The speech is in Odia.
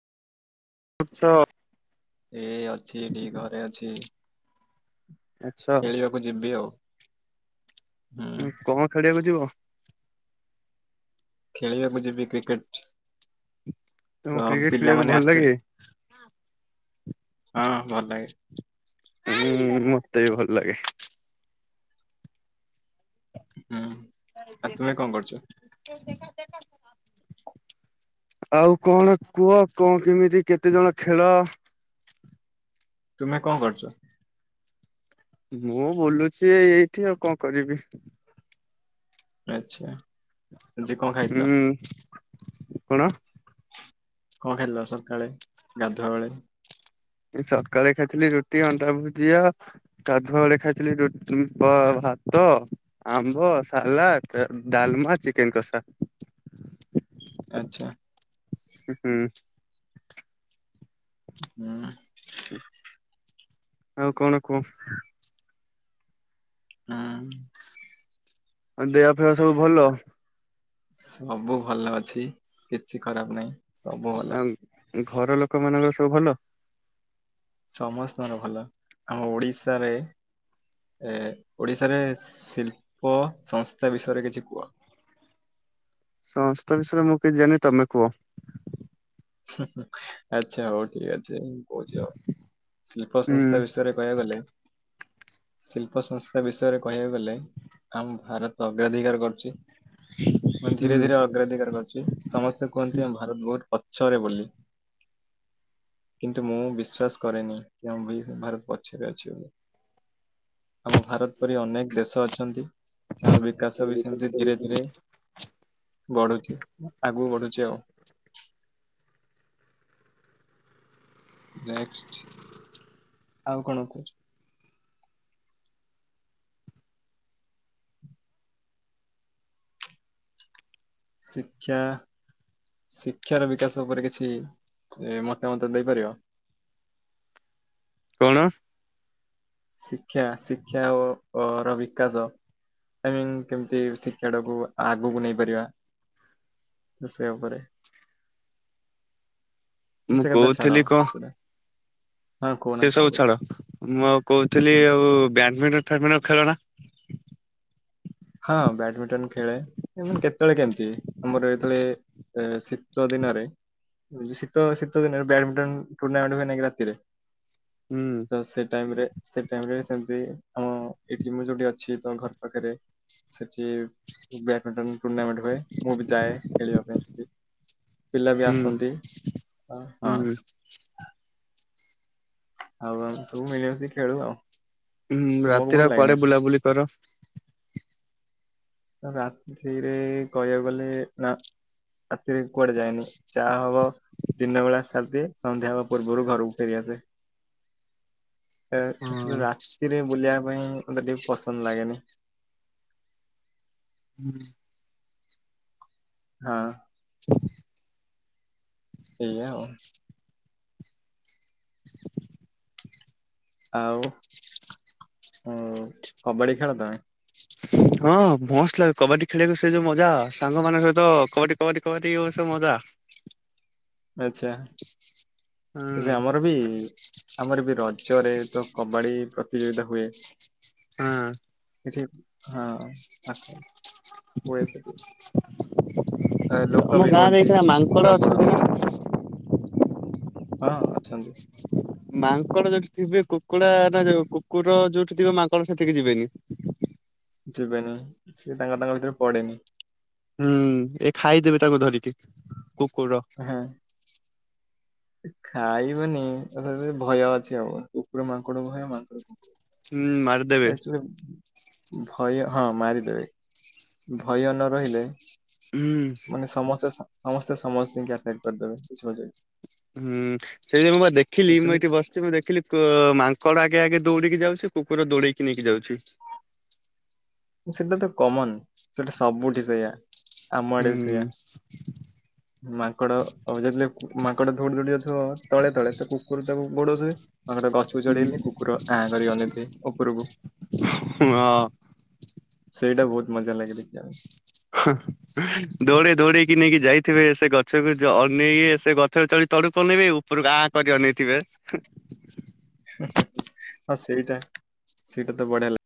[unintelligible] ଏଇ ଅଛି ଟିକ ଘରେ ଅଛି। ଆଚ୍ଛା ଖେଳିବାକୁ ଯିବି ଆଉ ହୁଁ କଣ ଖେଳିବାକୁ ଯିବ? ଖେଳିବାକୁ ଯିବି କ୍ରିକେଟ। ତ ତମକୁ କ୍ରିକେଟ ଖେଳିବାକୁ ପିଲାମାନେ ଭଲ ଆସିଲେ ଲାଗେ। ହଁ ଭଲ ଲାଗେ ହୁଁ ମତେ ବି ଭଲ ଲାଗେ ହୁଁ ଆଉ ତୁମେ କଣ କରୁଛ? ଆଉ କଣ କୁହ କଣ କେମିତି କେତେ ଜଣ ଖେଳ ତୁମେ କଣ କରୁଛ। ମୁଁ ବୁଲୁଛି ଏଇଠି ଆଉ କଣ କରିବି। ଆଛା। ଯେ କଣ ଖାଇଥିଲ ହୁଁ କଣ କଣ ଖାଇଲ ସକାଳେ ଗାଧୁଆ ବେଳେ ସରକାଳେ ଖାଇଥିଲି ରୁଟି ଅଣ୍ଡା ଭୁଜିଆ କାଧୁଆ ବଳେ ଖାଇଥିଲି ର ଭାତ ଆମ୍ବ ସାଲାଡ ଡାଲମା ଚିକେନ କଷା ଆଚ୍ଛା। ହୁଁ। ହଁ। ହଉ କଣ କୁହ ହଁ। [unintelligible] ୟ ସବୁ ଭଲ ସବୁ ଭଲ ଅଛି କିଛି ଖରାପ ନାହିଁ ସବୁ ହେଲା ଆଉ ଘର ଲୋକମାନାନଙ୍କର ସବୁ ଭଲ ସମସ୍ତଙ୍କର ଭଲ ଆମ ଓଡିଶାରେ ଏ ଓଡିଶାରେ ଶିଳ୍ପ ସଂସ୍ଥା ବିଷୟରେ କିଛି କୁହ ସଂସ୍ଥା ବିଷୟରେ ମୁଁ କିଛି ଜାଣି ତମେ କୁହ ଆଚ୍ଛା ହଉ ଠିକ୍ ଅଛି। କହୁ ଶିଳ୍ପ ହୁଁ। ସଂସ୍ଥା ବିଷୟରେ କହିବା ଗଲେ ଶିଳ୍ପ ସଂସ୍ଥା ବିଷୟରେ କହିବାକୁ ଗଲେ ଆମ ଭାରତ ଅଗ୍ରାଧିକାର କରୁଛି। ମୁଁ ଧୀରେ ହୁଁ ଧୀରେ ଅଗ୍ରାଧିକାର କରୁଛି ସମସ୍ତେ କୁହନ୍ତି ଆମ ଭାରତ ବହୁତ ପଛରେ ବୋଲି କିନ୍ତୁ ମୁଁ ବିଶ୍ଵାସ କରେନି କି ଆମ ବି ଭାରତ ପଛରେ ଅଛି ବୋଲି ଆମ ଭାରତ ପରି ଅନେକ ଦେଶ ଅଛନ୍ତି। ତାଙ୍କର ବିକାଶ ବି ସେମତି ଧୀରେ ଧୀରେ ବଢୁଛି ଆଗୁ ବଢୁଛି ଜେଉ ନେକ୍ସଟ ଆଉ କଣ କହୁଚୁ? ଶିକ୍ଷା ଶିକ୍ଷାର ବିକାଶ ଉପରେ କିଛି ମତାମତ ଦେଇପାରିବ। କଣ? ଶିକ୍ଷା ଶିକ୍ଷା ଓ ଓ ର ବିକାଶ ଆଇମିନ କେମିତି ଶିକ୍ଷା ଟାକୁ ଆଗକୁ ନେଇପାରିବା ଟା ସେଇଆ ଉପରେ। ମୁଁ ସେ କଥା ଛାଡ କହୁଥିଲି କ ପୂରା। ସେ ସବୁ ଛାଡ ମୁଁ ଆଉ କହୁଥିଲି ହୁଁ ଆଉ ବ୍ୟାଡମିଣ୍ଟନ ଫାଡମିଟନ ଖେଳ ନା ହଁ ବ୍ୟାଡମିଣ୍ଟନ ଖେଳେ କେମ କେତେବେଳେ କେମିତି ଆମର ଯେତଳେ ଶୀତ ଦିନରେ ଶୀତ ଶୀତ ଦିନରେ ବ୍ୟାଡମିଣ୍ଟନ ଟୁର୍ଣ୍ଣାମେଣ୍ଟ ହୁଏ କି ରାତିରେ ହୁଁ ତ ସେ ଟାଇମରେ ସେ ଟାଇମ ରେ ସେମିତି ଆମ ଏଠୀ ମୁ ଯୋଉଠି ଅଛି ତ ଘର ପାଖରେ ସେଠି ବ୍ୟା ମିଣ୍ଟନ ଟୁର୍ଣ୍ଣାମେଣ୍ଟ ହୁଏ ମୁଁ ବି ଯାଏ ଖେଳିବା ପାଇଁ ସେ ପିଲା ବି ହୁଁ ଆସନ୍ତି ହଁ। ହୁଁ ହଉ ଆମ ସୁ ମିିଲିବ ସେ ଖେଳୁ ଆଉ ହୁଁ ତୁମକୁ ଭଲ ରାତିରେ ଆଉ ଲାଗେ ନା ପରେ ବୁଲାବୁଲି କର। ରାତିରେ କହିବାକୁ ଗଲେ ନା ରାତିରେ କୁଆଡେ ଯାଏନି ଯାହା ହବ ଦିନ ବେଳା ସାରିଦିଏ ସନ୍ଧ୍ୟା ହେବା ପୂର୍ବରୁ ଘରକୁ ଫେରିଆସେ। ଏ ସିନା ହଁ। ରାତିରେ ବୁଲି ପାଇଁ ମତେ ଟିକେ ପସନ୍ଦ ଲାଗେନି। ହୁଁ। ହଁ। ଏଇଆ ଆଉ। ଆଉ ଉଁ କବାଡି ଖେଳ ତମେ? ହଁ ମସ୍ତ ଲାଗେ କବାଡି ଖେଳିବାକୁ ସେ ଯୋଉ ମଜା ସାଙ୍ଗ ମାନଙ୍କ ସହିତ କବାଡି କବାଡି କବାଡି [unintelligible] ମଜା। ଆଚ୍ଛା ହୁଁ ଆଚ୍ଛା ଆମର ବି ଆମର ବି ଚରେ ତ କବାଡି ପ୍ରତିଯୋଗିତା ହୁଏ। ହଁ। ଏ ହଁ ଆ ହୁଏ ସେଠୀ। ଆମ ଗାଁରେ ଏଇଥିନା ମାଙ୍କଡ଼ ପ୍ରବଳ ଅଛନ୍ତି ନା? ହଁ ଅଛନ୍ତି। ମାଙ୍କଡ ଯୋଉଠି ଥିବେ କୁକୁଡ଼ା ନା ଯୋଉ କୁକୁର ଯୋଉଠି ଥିବ ମାଙ୍କଡ ସେତିକି ଯିବେନି। ଯିବେନି ସିଏ ତାଙ୍କର ତାଙ୍କ ଭିତରେ ପଡେନି। ହୁଁ ଏ ଖାଇଦେବେ ତାକୁ ଧରିକି କୁକୁର ଖାଇବେନି ତଥାପି ଭୟ ଅଛି ଆଉ କୁକୁର ମାଙ୍କଡ ଭୟ ମାଙ୍କଡ ହୁଁ କୁକୁର ମାରିଦେବେ। ଆକ୍ଚୁଆଲି ଭୟ ହଁ ମାରିଦେବେ। ଭୟ ନ ରହିଲେ ହୁଁ। ମାନେ ସମସ୍ତେ ସମସ୍ତେ ସମସ୍ତିଙ୍କୁ ଆଟକ୍ କରିଦେବେ ବୁଝିପାରୁଚ କି? ହୁଁ ସେଇ ମୁଁ ବା ଦେଖିଲି ମୁଁ ଆକ୍ଚୁଆଲି ଏଇଠି ବସିଛି ମୁଁ ଦେଖିଲି ମାଙ୍କଡ ଆଗେ ଆଗେ ଦୌଡ଼ିକି ଯାଉଛି କୁକୁର ଦୌଡିକି ନେଇକି ଯାଉଛି। ସେଟା ତ କମନ ସେଟା ସବୁଠି ସେ ଏଇଆ। ଆମ ହୁଁ ଆଡେ ବି ସେୟା ମାଙ୍କଡ ହଉଛନ୍ତି ମାଙ୍କଡ ଦୋଉଡି ଦୋଉଡ଼ି ଯାଉଥିବ ତଳେ ତଳେ ତ କୁକୁର ତାକୁ ଗୋଡ଼ଧୁଏ। ମାଙ୍କଡ ଗଛକୁ ହୁଁ ଚଢିଗଲେ କୁକୁର ଆଁ କରି ଅନେଇଥିବ ଉପରକୁ। ହଁ ସେଇଟା ବହୁତ ମଜା ଲାଗେ ଦେଖିବା ପାଇଁ। ଦୌଡେଇ ଦୌଡେଇକି ନେଇକି ଯାଇଥିବେ ସେ ଗଛକୁ ଅନେଇକି ସେ ଗଛରେ ଚଢିକି ତଳକୁ ଅନେଇବେ ଉପରକୁ ଆ କରିକି ଅନେଇଥିବେ। ହଁ ସେଇଟା ସେଇଟା ତ ବଢିଆ ଲାଗେ।